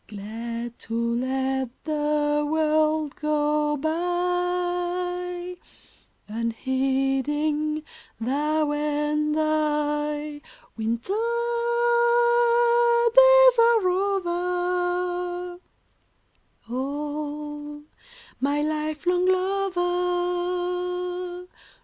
Glad to let the world go by Unheeding — thou and I ! Winter days are over ! O my life long lover.